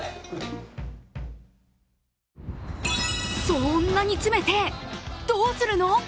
そんなに詰めて、どうするの？